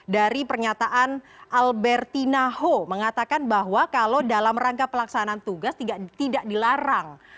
dari pernyataan alberti naho mengatakan bahwa kalau dalam rangka pelaksanaan tugas tidak dilarang